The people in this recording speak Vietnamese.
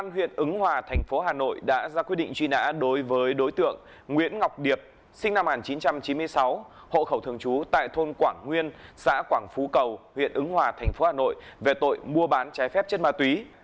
hùng nghiện rượu đã ra quyết định truy nã đối với đối tượng nguyễn ngọc điệp sinh năm một nghìn chín trăm chín mươi sáu hộ khẩu thường trú tại thôn quảng nguyên xã quảng phú cầu huyện ứng hòa tp hà nội về tội mua bán trái phép chất ma túy